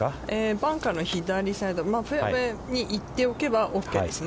バンカーの左サイド、フェアウェイに行っておけば、オーケーですね。